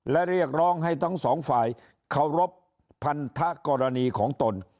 และเรียกร้องให้ทั้งสองฝ่ายเคารพพันธกรณีของตน